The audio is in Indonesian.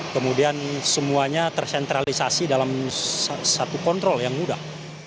kemudian semuanya tersentralisasi dalam satu kontrol yang mudah